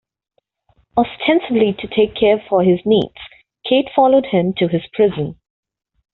Ostensibly to care for his needs, Kate followed him to his prison.